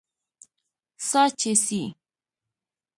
سا چې سي